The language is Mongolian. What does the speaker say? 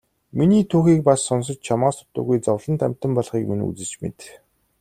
Миний түүхийг бас сонсож чамаас дутуугүй зовлонт амьтан болохыг минь үзэж мэд.